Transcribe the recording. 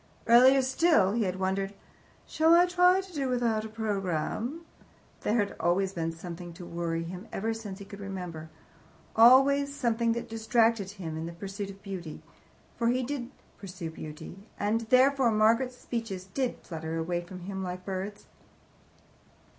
Earlier still he had wondered, "Shall I try to do without a programme?" There had always been something to worry him ever since he could remember, always something that distracted him in the pursuit of beauty. For he did pursue beauty, and therefore, Margaret's speeches did flutter away from him like birds.